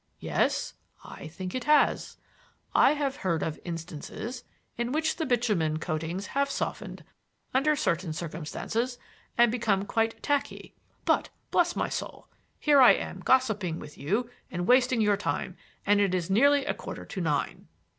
"Yes, I think it has. I have heard of instances in which the bitumen coatings have softened under certain circumstances and become quite 'tacky.' But, bless my soul! here am I gossiping with you and wasting your time, and it is nearly a quarter to nine!"